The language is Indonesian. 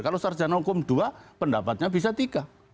kalau sarjana hukum dua pendapatnya bisa tiga